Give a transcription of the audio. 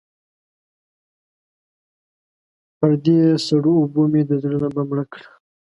پر دې سړو اوبو مې د زړه لمبه مړه کړه.